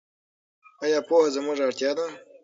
ایا پوهه زموږ اړتیا ده؟